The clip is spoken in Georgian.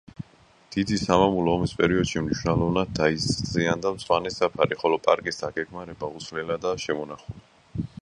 დიდი სამამულო ომის პერიოდში მნიშვნელოვნად დაზიანდა მწვანე საფარი, ხოლო პარკის დაგეგმარება უცვლელადაა შემონახული.